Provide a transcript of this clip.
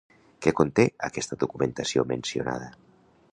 Què conté aquesta documentació mencionada?